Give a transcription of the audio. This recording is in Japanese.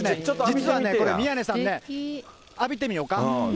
実はこれ、宮根さんね、浴びてみようか。